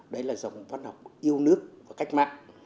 đấy là dòng văn học yêu nước và cách mạng